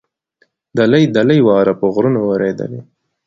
دلۍ دلۍ واوره په غرونو ورېدلې.